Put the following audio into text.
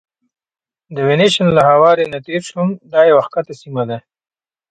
د وینیشن له هوارې نه تېر شوم، دا یوه کښته سیمه وه.